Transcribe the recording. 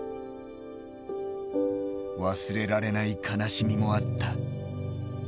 忘れられない悲しみもあった。